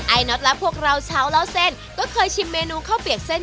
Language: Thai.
น็อตและพวกเราชาวเล่าเส้นก็เคยชิมเมนูข้าวเปียกเส้น